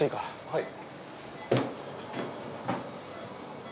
はい。